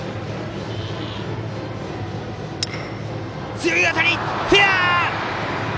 強い当たり、フェア！